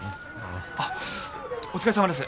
あっお疲れさまです。